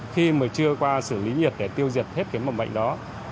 khi mà chưa qua xử lý nhiệt để tiêu diệt hết cái mầm bệnh đó